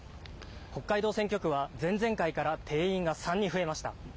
北海道選挙区は前々回から定員が３に増えました。